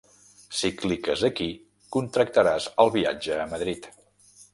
Si cliques aquí, contractaràs el viatge a Madrid.